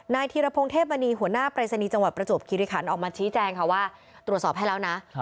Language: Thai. ธีรพงศ์เทพมณีหัวหน้าปรายศนีย์จังหวัดประจวบคิริคันออกมาชี้แจงค่ะว่าตรวจสอบให้แล้วนะ